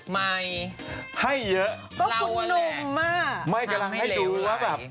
ไม่ให้เยอะก็คุณนุ่มมากไม่กำลังให้ดูแล้วแบบ